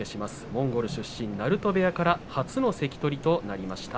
モンゴル出身、鳴戸部屋から初の関取となりました